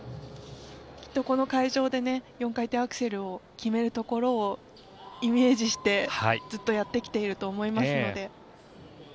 きっとこの会場で４回転アクセルを決めるところをイメージしてずっとやってきていると思いますので。